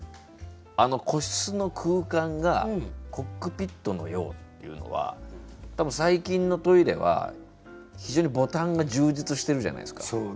あの個室の空間が「コックピットのよう」っていうのは多分最近のトイレは非常にボタンが充実してるじゃないですか。